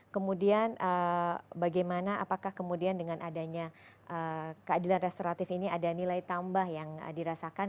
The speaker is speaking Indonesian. kemudian bagaimana apakah kemudian dengan adanya keadilan restoratif ini ada nilai tambah yang dirasakan